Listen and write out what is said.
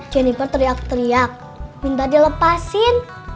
jenniper teriak teriak minta dilepasin